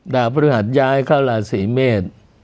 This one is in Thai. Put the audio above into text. ดาพพฤหัสย้ายเข้าราศรีเมศ